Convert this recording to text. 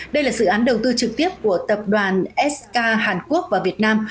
đây là dự án đầu tư trực tiếp của tập đoàn sk hàn quốc và việt nam